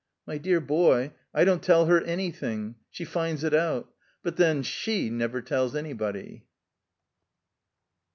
"My dear boy, I don't tell her anything. She finds it out. But, then, she never tells anybody."